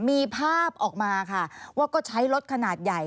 มีภาพออกมาค่ะว่าก็ใช้รถขนาดใหญ่